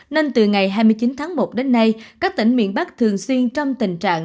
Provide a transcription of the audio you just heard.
nên từ ngày hai mươi chín tháng một đến nay các tỉnh miền bắc thường xuyên trong tình trạng